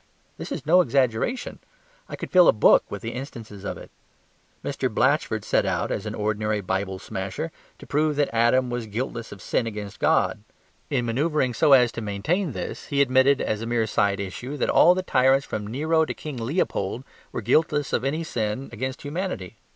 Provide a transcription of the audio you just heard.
This is no exaggeration; I could fill a book with the instances of it. Mr. Blatchford set out, as an ordinary Bible smasher, to prove that Adam was guiltless of sin against God; in manoeuvring so as to maintain this he admitted, as a mere side issue, that all the tyrants, from Nero to King Leopold, were guiltless of any sin against humanity.